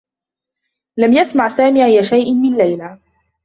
لم يسمع سامي أيّ شيء من ليلى.